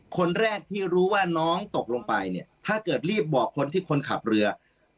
คนแรกที่รู้ว่าน้องตกลงไปเนี่ยถ้าเกิดรีบบอกคนที่คนขับเรือ